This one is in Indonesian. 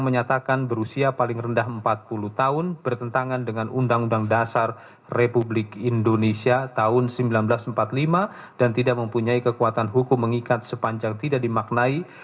tiga mengabulkan permohonan pemohon untuk sebagian